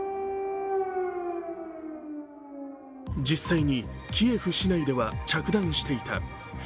実際にキエフ市内では着弾していた。